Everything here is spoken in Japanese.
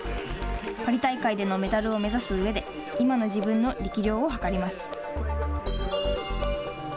パリ大会でのメダルを目指す上で今の自分の力量を測ります。